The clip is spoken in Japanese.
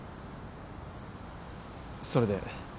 それで？